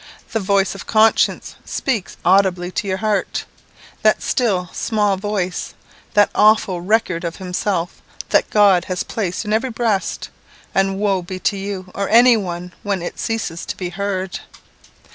The voice of conscience speaks audibly to your heart; that still small voice that awful record of himself that God has placed in every breast (and woe be to you, or any one, when it ceases to be heard!)